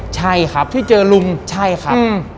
ใช่ครับที่เจอลุงใช่ครับ